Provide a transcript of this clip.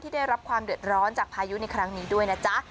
ได้รับความเดือดร้อนจากพายุในครั้งนี้ด้วยนะจ๊ะ